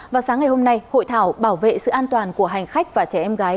và sáng ngày hôm nay hội thảo bảo vệ sự an toàn của hành khách và trẻ em gái